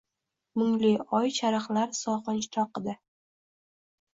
mungli oy charaqlar sog’inch toqida